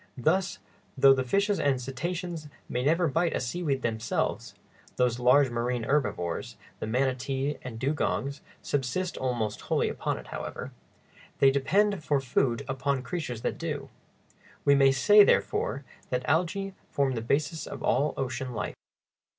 Thus, though the fishes and cetaceans may never bite a seaweed themselves (those large marine herbivores, the manatee and dugongs, subsist almost wholly upon it, however), they depend for food upon creatures that do. We may say, therefore, that the algæ form the basis of all ocean life.